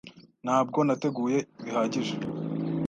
Ntabwo nateguwe bihagije